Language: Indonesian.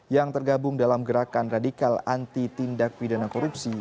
yang tergabung dalam gerakan radikal anti tindak pidana korupsi